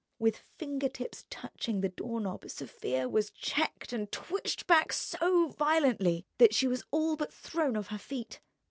With finger tips touching the door knob Sofia was checked and twitched back so violently that she was all but thrown off her feet.